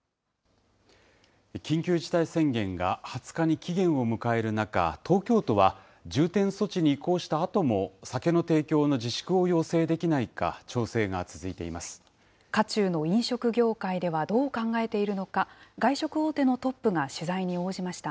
緊急事態宣言が２０日に期限を迎える中、東京都は、重点措置に移行したあとも酒の提供の自粛を要請できないか、調整渦中の飲食業界ではどう考えているのか、外食大手のトップが取材に応じました。